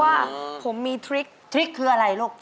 ว่าผมมีทริค